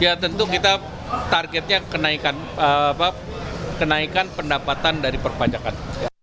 ya tentu kita targetnya kenaikan pendapatan dari perpajakan